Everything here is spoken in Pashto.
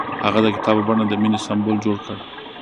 هغه د کتاب په بڼه د مینې سمبول جوړ کړ.